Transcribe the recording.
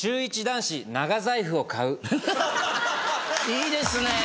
いいですねぇ！